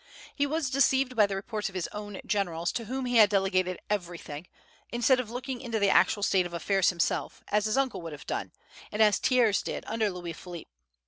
He was deceived by the reports of his own generals, to whom he had delegated everything, instead of looking into the actual state of affairs himself, as his uncle would have done, and as Thiers did under Louis Philippe.